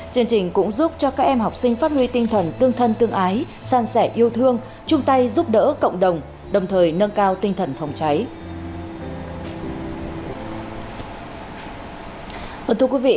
chương trình cũng giúp cho các em học sinh phát huy tinh thần tương thân tương ái san sẻ yêu thương chung tay giúp đỡ cộng đồng đồng thời nâng cao tinh thần phòng cháy